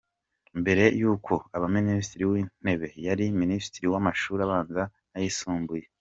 Mbere y’uko aba Minisitiri w’Intebe, yari Minisitiri w’amashuri abanza n’ayisumbuye.